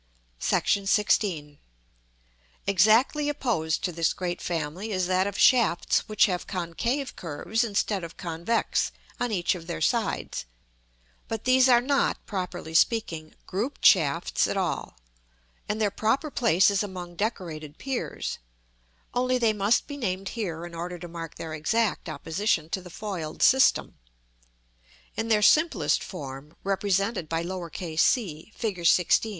§ XVI. Exactly opposed to this great family is that of shafts which have concave curves instead of convex on each of their sides; but these are not, properly speaking, grouped shafts at all, and their proper place is among decorated piers; only they must be named here in order to mark their exact opposition to the foiled system. In their simplest form, represented by c, Fig. XVI.